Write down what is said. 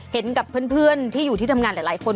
เห็นกับเพื่อนที่อยู่ที่ทำงานหลายคน